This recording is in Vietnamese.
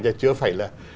chứ chưa phải là